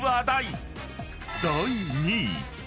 ［第２位］